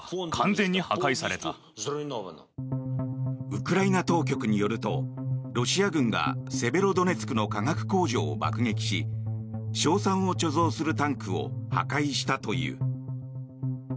ウクライナ当局によるとロシア軍がセベロドネツクの化学工場を爆撃し硝酸を貯蔵するタンクを破壊したという。